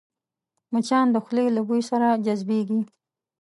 مچان د خولې له بوی سره جذبېږي